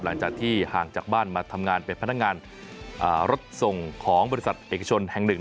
หลังจากที่ห่างจากบ้านมาทำงานเป็นพนักงานรถส่งของบริษัทเอกชนแห่งหนึ่ง